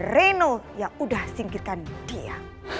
reno ya udah singkirkan dia